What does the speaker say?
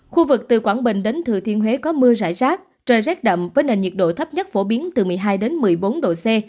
khu vực từ quảng bình đến thừa thiên huế có mưa rải rác trời rét đậm với nền nhiệt độ thấp nhất phổ biến từ một mươi hai đến một mươi bốn độ c